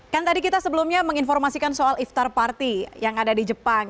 kan tadi kita sebelumnya menginformasikan soal iftar party yang ada di jepang